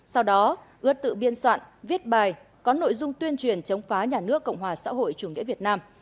sau đó ướt tự biên soạn viết bài có nội dung tuyên truyền chống phá nhà nước cộng hòa xã hội chủ nghĩa việt nam